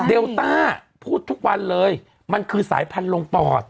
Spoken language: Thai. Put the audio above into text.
ลต้าพูดทุกวันเลยมันคือสายพันธุ์ลงปอด